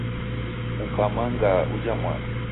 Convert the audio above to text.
Ukamwangaa uja mwana